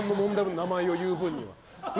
名前を言う分には。